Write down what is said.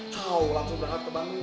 kau langsung berangkat ke bandung